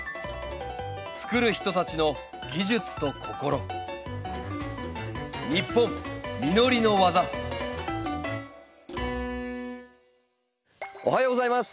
つくる人たちの技術と心おはようございます。